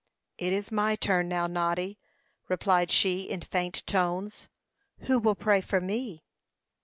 "It is my turn now, Noddy," replied she, in faint tones. "Who will pray for me?"